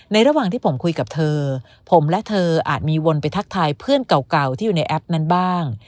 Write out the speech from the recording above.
ระหว่างที่ผมคุยกับเธอผมและเธออาจมีวนไปทักทายเพื่อนเก่าที่อยู่ในแอปนั้นบ้าง